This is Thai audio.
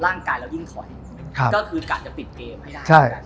ร่างกายเรายิ่งถอยก็คือกะจะปิดเกมให้ได้